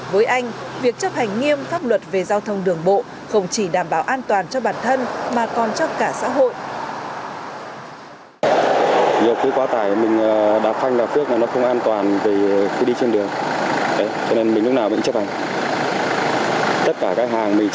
với anh việc chấp hành nghiêm pháp luật về giao thông đường bộ không chỉ đảm bảo an toàn cho bản thân mà còn cho cả xã hội